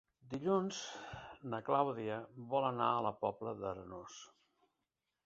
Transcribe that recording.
Dilluns na Clàudia vol anar a la Pobla d'Arenós.